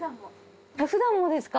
普段もですか？